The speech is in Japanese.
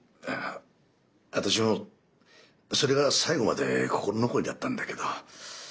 私もそれが最後まで心残りだったんだけど。